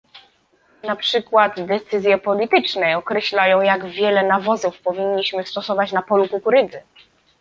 Na przykład decyzje polityczne określają, jak wiele nawozów powinniśmy stosować na polu kukurydzy